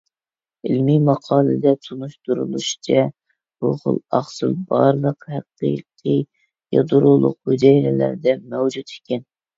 ئىلمىي ماقالىدە تونۇشتۇرۇلۇشىچە، بۇ خىل ئاقسىل بارلىق ھەقىقىي يادرولۇق ھۈجەيرىلەردە مەۋجۇت ئىكەن.